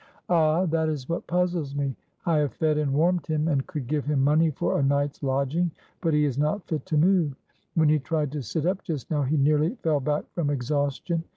"Ah, that is what puzzles me. I have fed and warmed him, and could give him money for a night's lodging, but he is not fit to move. When he tried to sit up just now, he nearly fell back from exhaustion.